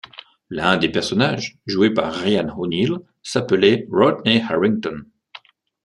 L'un des personnages, joué par Ryan O’Neal, s’appelait Rodney Harrington.